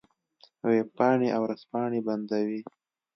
وېبپاڼې او ورځپاڼې بندوي.